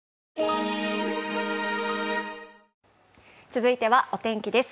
続いてはお天気です。